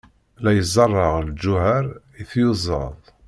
La izerreɛ lǧuheṛ i tyuzaḍ.